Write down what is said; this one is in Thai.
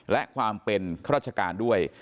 และความเป็นข้าราชการด้วย